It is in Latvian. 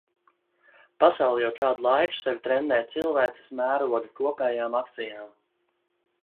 Pasaule jau kādu laiku sevi trenē cilvēces mēroga kopējām akcijām.